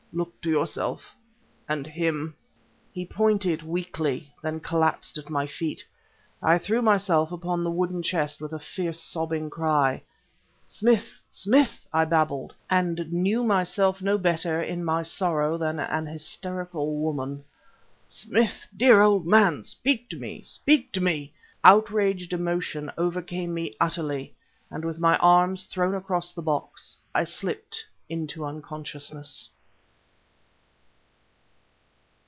look to yourself, and ..._him_...." He pointed, weakly then collapsed at my feet. I threw myself upon the wooden chest with a fierce, sobbing cry. "Smith, Smith!" I babbled, and knew myself no better, in my sorrow, than an hysterical woman. "Smith, dear old man! speak to me! speak to me!..." Outraged emotion overcame me utterly, and with my arms thrown across the box, I slipped into unconsciousness.